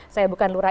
saya bukan lurah